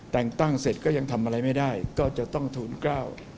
แต่งตั้งเสร็จก็ยังทำอะไรไม่ได้ก็จะต้องทูลกล้า